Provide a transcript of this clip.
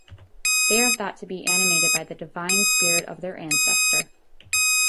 They are thought to be animated by the divine spirit of their ancestor.